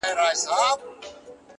• نه په کوډګرو نه په مُلا سي,